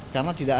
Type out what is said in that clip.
karena tidak ada